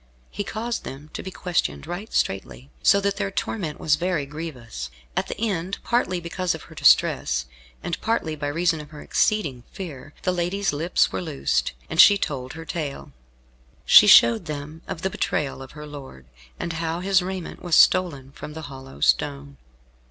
He caused them to be questioned right straitly, so that their torment was very grievous. At the end, partly because of her distress, and partly by reason of her exceeding fear, the lady's lips were loosed, and she told her tale. She showed them of the betrayal of her lord, and how his raiment was stolen from the hollow stone.